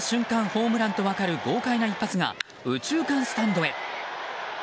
ホームランと分かる豪快な一発が右中間スタンドへ。